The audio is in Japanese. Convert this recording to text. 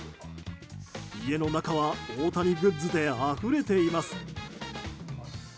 家の中は大谷グッズであふれています。